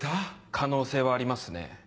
可能性はありますね。